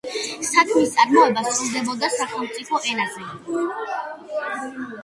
საქმის წარმოება სრულდებოდა სახელმწიფო ენაზე.